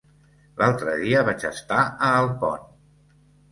L'altre dia vaig estar a Alpont.